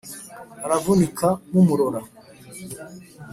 aravunika mumurora,